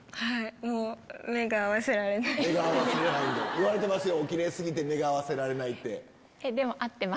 言われてますよおキレイ過ぎて目が合わせられないって。